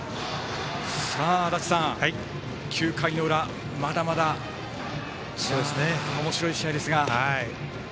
足達さん、９回の裏、まだまだおもしろい試合ですが。